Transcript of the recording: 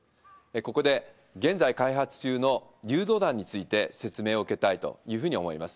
ここで現在開発中の誘導弾について説明を受けたいというふうに思います。